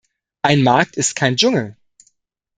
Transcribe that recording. Ein Markt ist kein Dschungel.